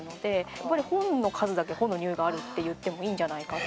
やっぱり本の数だけ本の匂いがあるって言ってもいいんじゃないかと。